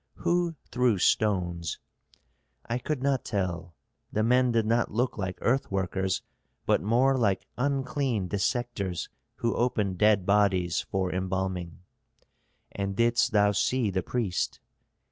"Who threw stones?" "I could not tell. The men did not look like earth workers, but more like unclean dissectors who open dead bodies for embalming." "And didst thou see the priest?"